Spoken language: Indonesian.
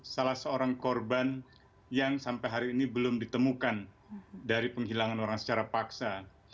salah seorang korban yang sampai hari ini belum ditemukan dari penghilangan orang secara paksa